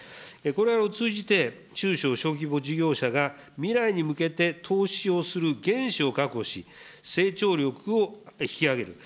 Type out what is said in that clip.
これらを通じて、中小・小規模事業者が、未来に向けて投資をする原資を確保し、成長力を引き上げる。